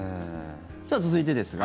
続いてですが。